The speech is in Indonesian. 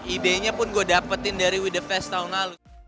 idenya pun gue dapetin dari with the fest tahun lalu